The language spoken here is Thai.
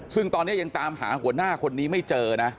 ซึ่งตอนนี้ยังตามหาหัวหน้าคนนี้ไม่เจอนะ